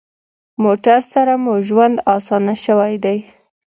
موټر سره مو ژوند اسانه شوی دی.